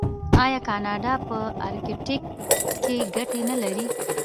آیا کاناډا په ارکټیک کې ګټې نلري؟